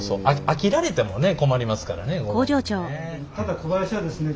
飽きられてもね困りますからね子どもにね。